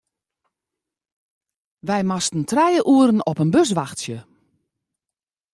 Wy moasten trije oeren op in bus wachtsje.